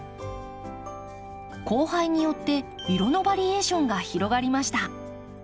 交配によって色のバリエーションが広がりました。